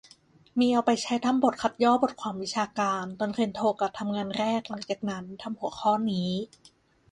มีเอาไปใช้ทำบทคัดย่อบทความวิชาการ ตอนเรียนโทกะทำงานแรกหลังจากนั้น ทำหัวข้อนี้